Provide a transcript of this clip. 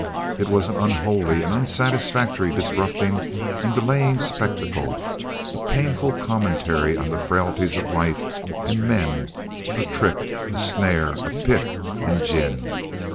It was an unholy and unsatisfactory disrupting and delaying spectacle, a painful commentary on the frailties of life, and men, a trick, a snare, a pit and gin.